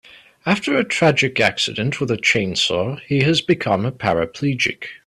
After a tragic accident with a chainsaw he has become a paraplegic.